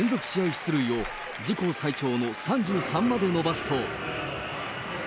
出塁を、自己最長の３３まで伸ばすと。